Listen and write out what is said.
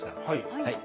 はい。